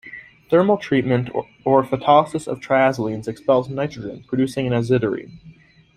Thermal treatment or photolysis of triazolines expels nitrogen, producing an aziridine.